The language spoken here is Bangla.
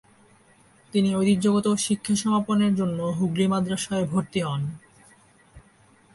তিনি ঐতিহ্যগত শিক্ষা সমাপনের জন্য হুগলী মাদ্রাসায় ভর্তি হন।